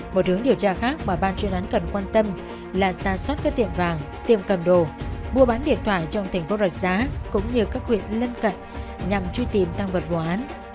một hướng điều tra khác mà ban chuyên án cần quan tâm là ra soát các tiệm vàng tiệm cầm đồ mua bán điện thoại trong thành phố rạch giá cũng như các huyện lân cận nhằm truy tìm tăng vật vụ án